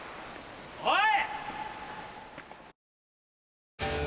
おい！